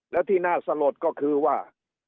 แล้วที่น่าสลดก็คือว่า